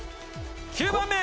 ９番目。